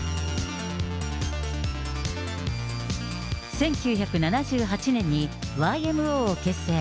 １９７８年にＹＭＯを結成。